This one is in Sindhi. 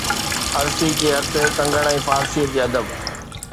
ارسي کي هٿ ڪنگڻ ۽ فارسيءَ کي ادب